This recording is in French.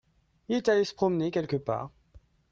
Il est allé se promener quelque part.